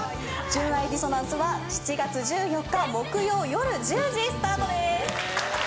『純愛ディソナンス』は７月１４日木曜夜１０時スタートです。